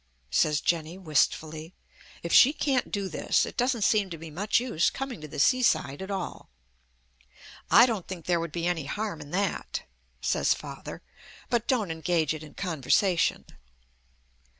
says Jenny wistfully. If she can't do this, it doesn't seem to be much use coming to the seaside at all. "I don't think there would be any harm in that," says Father. "But don't engage it in conversation."